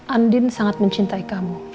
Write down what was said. andin sangat mencintai kamu